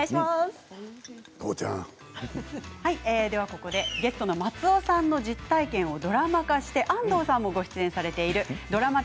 ここでゲストの松尾さんの実体験をドラマ化して安藤さんもご出演されているドラマ１０